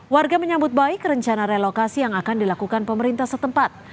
warga menyambut baik rencana relokasi yang akan dilakukan pemerintah setempat